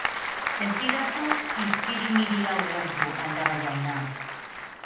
Ez didazu izkirimiria ulertu, Aldaba jauna.